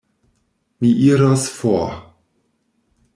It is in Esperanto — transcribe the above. Mi iros for.